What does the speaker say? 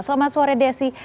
selamat sore desi